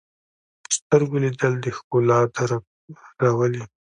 په سترګو لیدل د ښکلا درک راولي